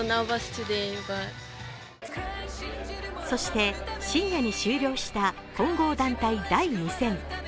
そして深夜に終了した混合団体第２戦。